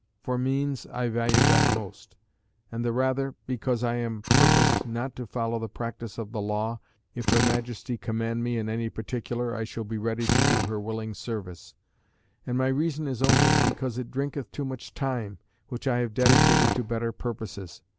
For means, I value that most; and the rather, because I am purposed not to follow the practice of the law (if her Majesty command me in any particular, I shall be ready to do her willing service); and my reason is only, because it drinketh too much time, which I have dedicated to better purposes.